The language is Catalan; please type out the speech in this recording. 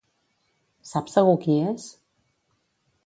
Sap segur qui és?